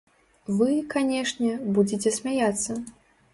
Вы, канешне, будзеце смяяцца.